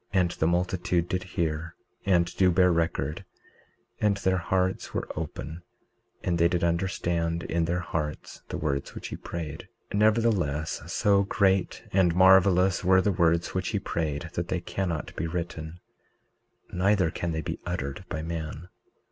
19:33 And the multitude did hear and do bear record; and their hearts were open and they did understand in their hearts the words which he prayed. 19:34 Nevertheless, so great and marvelous were the words which he prayed that they cannot be written, neither can they be uttered by man.